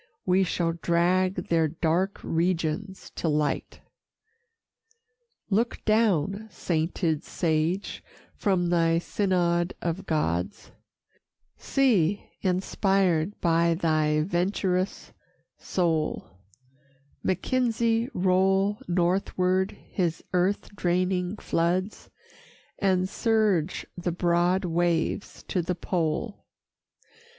We shall drag their dark regions to light. Look down, sainted sage, from thy synod of Gods; See, inspired by thy venturous soul, Mackenzie roll northward his earth draining floods, And surge the broad waves to the pole.